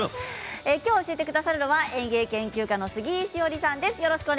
今日、教えてくださるのは園芸研究家の杉井志織さんです。